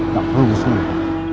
gak perlu listeners